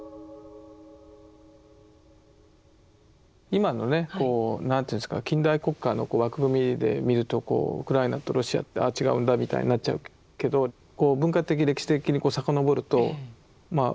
今のねこう何ていうんですか近代国家の枠組みで見るとウクライナとロシアってあ違うんだみたいになっちゃうけど文化的歴史的に遡るとまあ